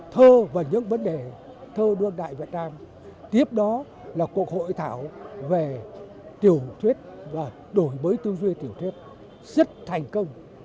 thơ và những vấn đề thơ đương đại việt nam tiếp đó là cuộc hội thảo về tiểu thuyết và đổi mới tư duy tiểu thuyết rất thành công